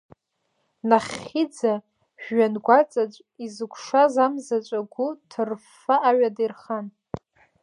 Нахьхьиӡа, жәҩангәаҵаҿ изықәшаз амзаҿа агәы ҭырффа аҩада ирхан.